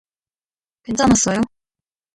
괜찮았어요?